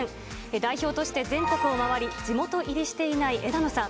代表として全国を回り、地元入りしていない枝野さん。